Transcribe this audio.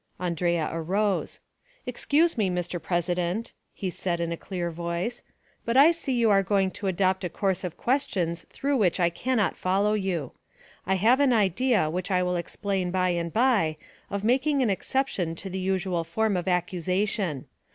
Andrea arose. "Excuse me, Mr. President," he said, in a clear voice, "but I see you are going to adopt a course of questions through which I cannot follow you. I have an idea, which I will explain by and by, of making an exception to the usual form of accusation.